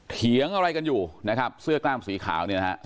เถียงอะไรกันอยู่นะครับเสื้อกล้ามสีขาวเนี่ยนะฮะ